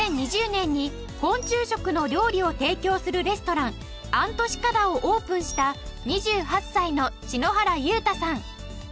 ２０２０年に昆虫食の料理を提供するレストラン ＡＮＴＣＩＣＡＤＡ をオープンした２８歳の篠原祐太さん